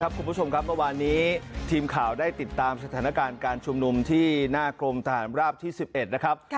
คุณผู้ชมครับเมื่อวานนี้ทีมข่าวได้ติดตามสถานการณ์การชุมนุมที่หน้ากรมทหารราบที่๑๑นะครับ